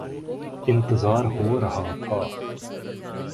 انتظار ہو رہا تھا